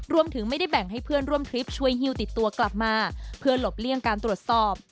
ไม่ได้แบ่งให้เพื่อนร่วมทริปช่วยฮิวติดตัวกลับมาเพื่อหลบเลี่ยงการตรวจสอบ